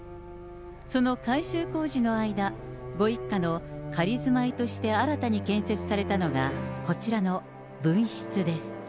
その改修工事の間、ご一家の仮住まいとして新たに建設されたのが、こちらの分室です。